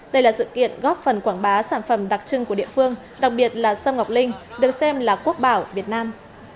đây là sự kiện góp phần quảng bá sản phẩm đặc trưng của địa phương đặc biệt là sâm ngọc linh được xem là quốc bảo việt nam